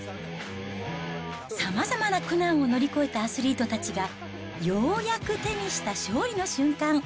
さまざまな苦難を乗り越えたアスリートたちが、ようやく手にした勝利の瞬間。